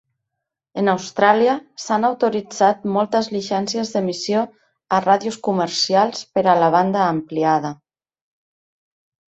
En Austràlia, s'han autoritzat moltes llicències d'emissió a ràdios comercials per a la banda ampliada.